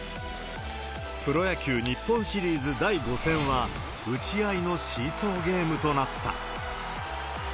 プロ野球日本シリーズ第５戦は、打ち合いのシーソーゲームとなった。